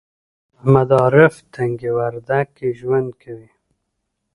محمد عارف تنگي وردک کې ژوند کوي